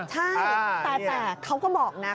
ใช่ที่แต่เขาก็บอกน่ะคุณผู้ชม